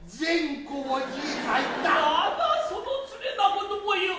まだそのツレなことを言う。